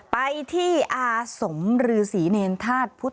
ไปที่สมรื่อศรีเนรทาสพุทธคล